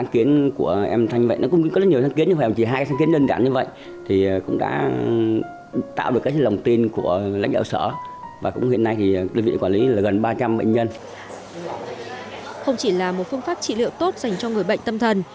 không chỉ là một phương pháp trị liệu tốt dành cho người bệnh tâm thần